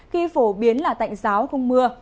khi phổ biến là tạnh giáo không mưa